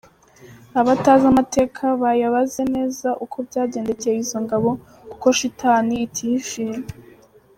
Abatazi amateka bayabaze neza uko byagendekeye izo ngabo, kuko shitani itihishira.